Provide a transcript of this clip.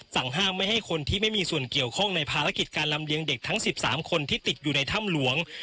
สั่งห้ามไม่ให้คนที่ไม่มีส่วนเกี่ยวข้องในภารกิจการลำเลียงเด็กทั้ง๑๓คนที่ติดอยู่ในถ้ำหลวง